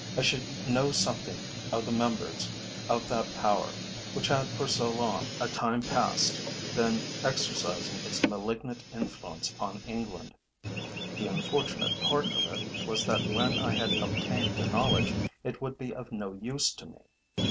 I should know something of the members of that power which had for so long a time past been exercising its malignant influence upon England. The unfortunate part of it was that when I had obtained the knowledge it would be of no use to me.